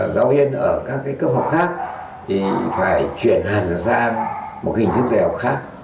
giáo viên ở các cái cấp học khác thì phải chuyển hành ra một hình thức dạy học khác